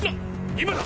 今だ！